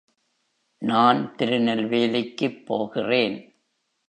நான் திருநெல்வேலிக்குப் போகிறேன்.